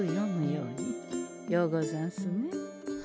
ようござんすね。